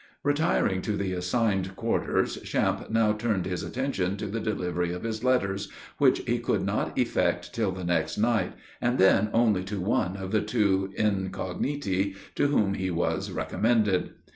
Retiring to the assigned quarters, Champe now turned his attention to the delivery of his letters, which he could not effect till the next night, and then only to one of the two incogniti, to whom he was recommended.